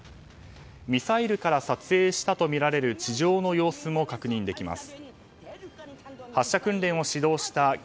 ミサイルから撮影したとみられる地上の様子も確認できます。